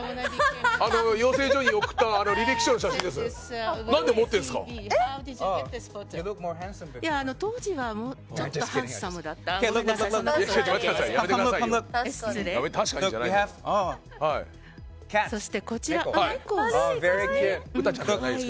養成所に送った履歴書の写真です。